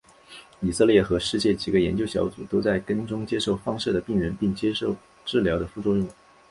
以色列和世界几个研究小组都在跟踪接受放射的病人并检查治疗的副作用。